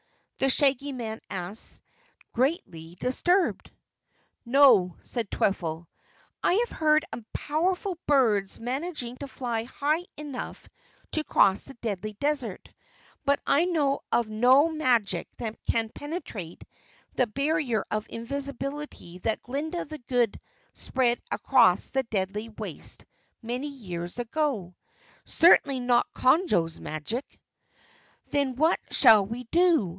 the Shaggy Man asked, greatly disturbed. "No," said Twiffle. "I have heard of powerful birds managing to fly high enough to cross the Deadly Desert, but I know of no magic that can penetrate the barrier of invisibility that Glinda the Good spread across the deadly waste many years ago certainly not Conjo's magic!" "Then what shall we do?"